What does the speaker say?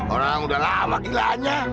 orang udah lama gilanya